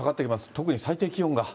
特に最低気温が。